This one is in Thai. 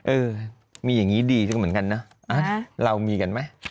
เออมีอย่างนี้ดีจังเหมือนกันนะเรามีกันไหม